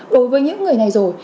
đối với những người này rồi